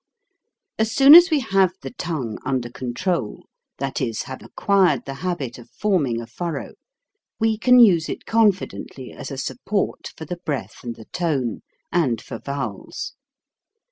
As soon as we have the tongue under con trol, that is, have acquired the habit of forming a furrow, we can use it confidently THE TONGUE 193 as a support for the breath and the tone, and for vowels.